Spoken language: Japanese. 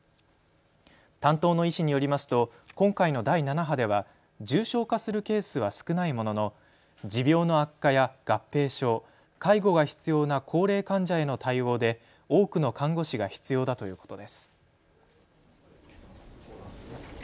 担当の医師によりますと今回の第７波では重症化するケースは少ないものの持病の悪化や合併症、介護が必要な高齢患者への対応で多くの看護師が必要だということです。